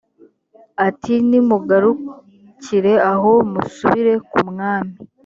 ati nimugarukire aho musubire ku mwami